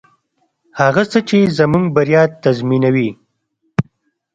هغه څه چې زموږ بریا تضمینوي.